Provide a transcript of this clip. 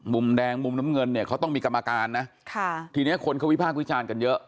มุมแดงมุมน้ำเงินเนี่ยเขาต้องมีกรรมการนะค่ะทีเนี้ยคนเขาวิพากษ์วิจารณ์กันเยอะ